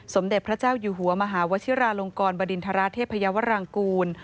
สมเด็จพระเจ้าอยู่หัวมหาวชิราลงกรบดินทราเทพยาวรางกูล